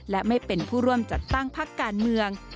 และไม่เป็นผู้ร่วมจัดตั้งพักการเมือง